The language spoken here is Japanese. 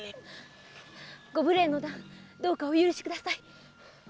ご無礼の段どうかお許しください。